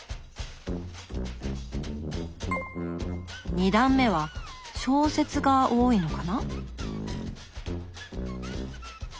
２段目は小説が多いのかな。